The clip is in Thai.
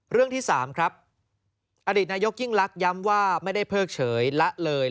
เรื่องที่๓ครับอดีตนายกยิ่งลักษ์ย้ำว่าไม่ได้เพิกเฉยละเลย